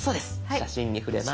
「写真」に触れます。